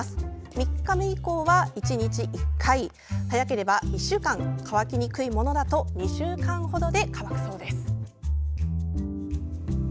３日目以降は１日１回早ければ１週間乾きにくいものだと２週間程で乾くそうです。